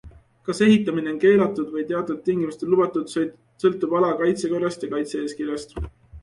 Kas ehitamine on keelatud või teatud tingimustel lubatud, sõltub ala kaitsekorrast ja kaitse-eeskirjast.